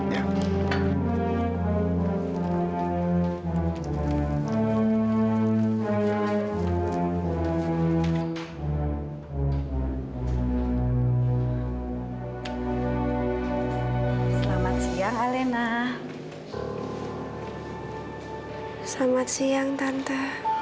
selamat siang tante